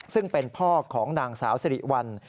ซึ่งเป็นพ่อของนางสาวสิริวัล